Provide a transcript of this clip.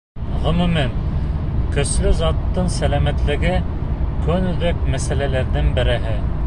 Ғөмүмән, көслө заттың сәләмәтлеге — көнүҙәк мәсьәләләрҙең береһе.